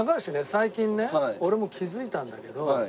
最近ね俺も気付いたんだけど。